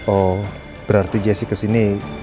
oh berarti jessy kesini